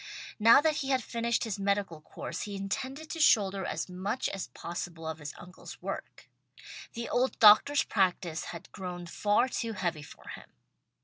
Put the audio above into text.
Now that he had finished his medical course he intended to shoulder as much as possible of his uncle's work. The old doctor's practice had grown far too heavy for him.